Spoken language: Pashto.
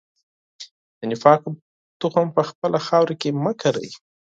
د نفاق تخم په خپله خاوره کې مه کرئ.